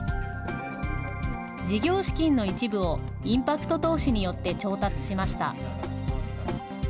事業資金の一部をインパクト投資によって調達しました。